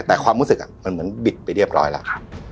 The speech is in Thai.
แต่ความรู้สึกมันเหมือนบิดไปเรียบร้อยแล้ว